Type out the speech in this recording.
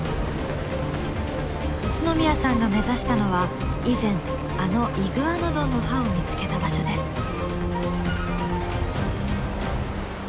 宇都宮さんが目指したのは以前あのイグアノドンの歯を見つけた場所です。